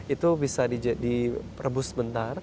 itu bisa di rebus sebentar